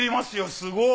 すごい！